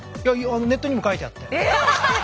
ネットにも書いてあって。